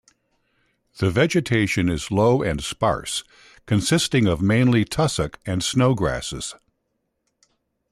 The vegetation is low and sparse, consisting of mainly tussock and snow grasses.